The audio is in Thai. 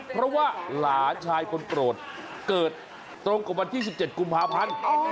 เพราะว่าหลานชายคนโปรดเกิดตรงกับวันที่๑๗กุมภาพันธ์